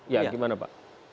ya bagaimana pak